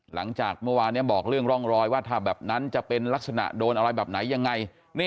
หลังจากเมื่อวานบอกเรื่องร่องรอยว่าถ้าแบบนั้นจะเป็นลักษณะโดนอะไรแบบไหนยังไง